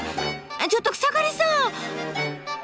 ちょっと草刈さん！